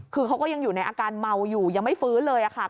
คือเขาก็ยังอยู่ในอาการเมาอยู่ยังไม่ฟื้นเลยค่ะ